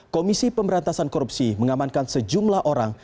komisi pemberantasan korupsi mengamankan sejumlah orang